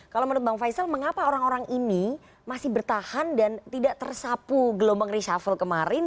kalau menurut bang faisal mengapa orang orang ini masih bertahan dan tidak tersapu gelombang reshuffle kemarin